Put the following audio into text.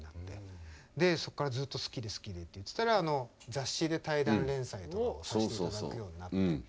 でそこからずっと好きで好きでって言ってたら雑誌で対談連載とかをさして頂くようになって。